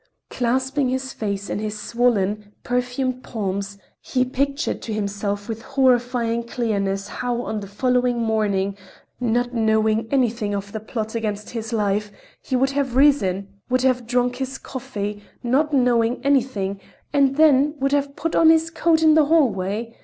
Clasping his face in his swollen, perfumed palms, he pictured to himself with horrifying clearness how on the following morning, not knowing anything of the plot against his life, he would have risen, would have drunk his coffee, not knowing anything, and then would have put on his coat in the hallway.